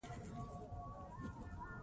افغانستان د سیندونه له امله شهرت لري.